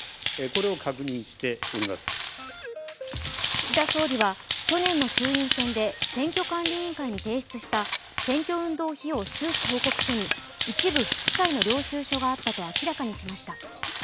岸田総理は去年の衆院選で選挙管理委員会に提出した選挙運動費用収支報告書に一部不記載の領収証があったと明らかにしました。